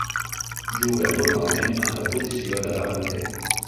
Juga normalment en la posició de davanter.